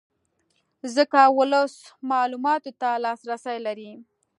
ځکه ولس معلوماتو ته لاسرې لري